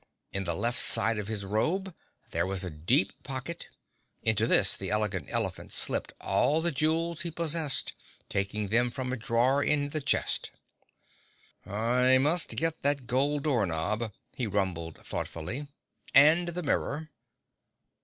In the left side of his robe there was a deep pocket. Into this the Elegant Elephant slipped all the jewels he possessed, taking them from a drawer in the chest. "I must get that gold door knob," he rumbled thoughtfully. "And the mirror."